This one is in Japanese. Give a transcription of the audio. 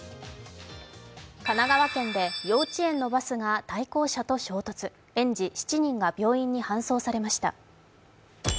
神奈川県で幼稚園のバスが対向車と衝突、園児７人が病院に搬送されました。